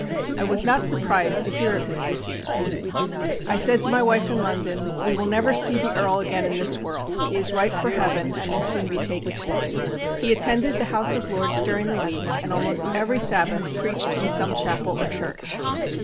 I was not surprised to hear of his decease. I said to my wife in London, "We will never see the Earl again in this world. He is ripe for Heaven, and will soon be taken." He attended the House of Lords during the week, and almost every Sabbath preached in some chapel or church.